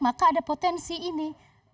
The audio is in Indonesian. maka ada potensi ini